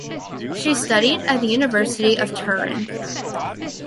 She studied at the University of Turin.